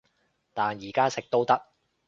但而家食都得